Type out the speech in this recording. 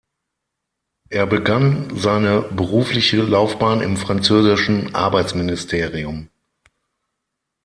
Er begann seine berufliche Laufbahn im französischen Arbeitsministerium.